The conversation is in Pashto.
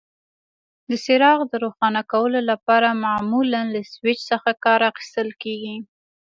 د څراغ د روښانه کولو لپاره معمولا له سویچ څخه کار اخیستل کېږي.